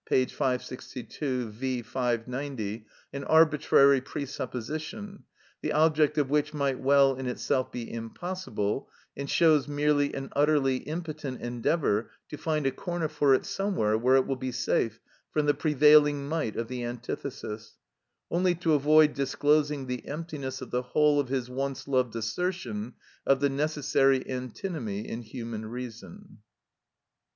562; V. 590) an arbitrary presupposition, the object of which might well in itself be impossible, and shows merely an utterly impotent endeavour to find a corner for it somewhere where it will be safe from the prevailing might of the antithesis, only to avoid disclosing the emptiness of the whole of his once loved assertion of the necessary antinomy in human reason.